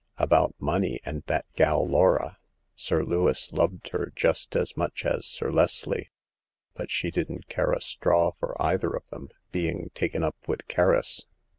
"About money and that gal Laura. Sir Lewis loved her just as much as Sir Leslie ; but she didn't care a straw for either of them, being taken up with Kerris."